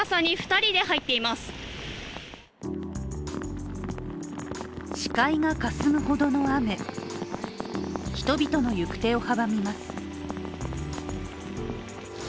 人々の行く手を阻みます。